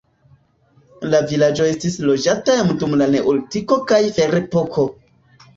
La vilaĝo estis loĝata jam dum la neolitiko kaj ferepoko.